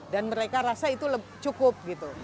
dan mereka rasa itu cukup